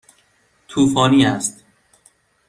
طوفانی است.